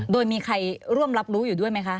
โดยมีใครร่วมรับรู้อยู่ด้วยไหมคะ